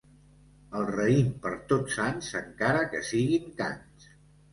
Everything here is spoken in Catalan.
El raïm per Tots Sants, encara que siguin cants.